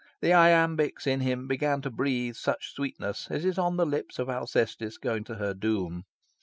The iambics in him began to breathe such sweetness as is on the lips of Alcestis going to her doom.